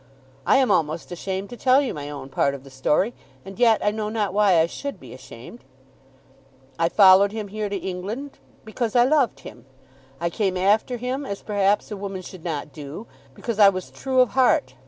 I am almost ashamed to tell you my own part of the story, and yet I know not why I should be ashamed. I followed him here to England because I loved him. I came after him, as perhaps a woman should not do, because I was true of heart.